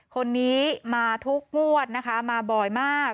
คนนี้มาทุกงวดนะคะมาบ่อยมาก